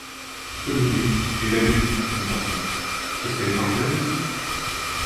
Toliné, et la lune, mon garçon, est-ce qu’elle est anglaise aussi?